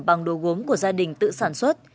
bằng đồ gốm của gia đình tự sản xuất